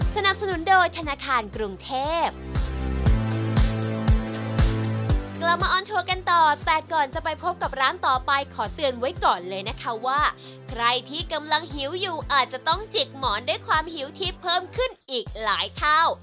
กลับมาออนทัวร์กันต่อแต่ก่อนจะไปพบกับร้านต่อไปขอเตือนไว้ก่อนเลยนะคะว่าใครที่กำลังหิวอยู่อาจจะต้องจิกหมอนด้วยความหิวที่เพิ่มขึ้นอีกหลายเท่า